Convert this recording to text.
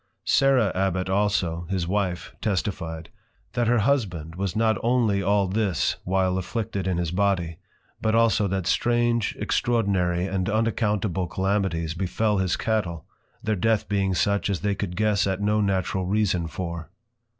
Sarah Abbot also, his Wife, testified, That her Husband was not only all this while Afflicted in his Body, but also that strange extraordinary and unaccountable Calamities befel his Cattel; their Death being such as they could guess at no Natural Reason for.